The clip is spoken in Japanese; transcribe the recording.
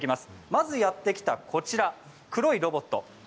まずやって来た、こちら黒いロボット。